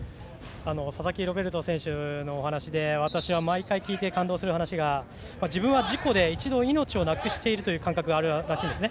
佐々木ロベルト選手の話で私は毎回聞いて感動する話が、自分は事故で一度命をなくしているという感覚があるらしいんですね。